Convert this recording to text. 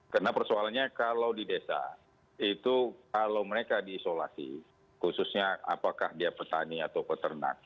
karena persoalannya kalau di desa itu kalau mereka di isolasi khususnya apakah dia petani atau peternak